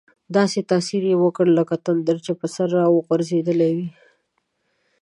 داسې تاثیر یې وکړ لکه تندر چې په سر را غورځېدلی وي.